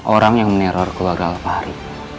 orang yang meneror keluarga alfahari